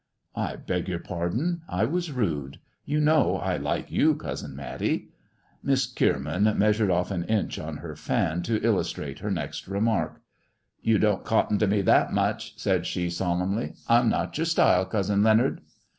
" I beg your pardon ; I was rude. You know I like you, I cousin Matty." ' Miss Kierman measured o£E an inch on her fan to illustrate her next remark. " You don't cotton to me that much," said she, solemnly. " I'm not your style, cousin Leonard."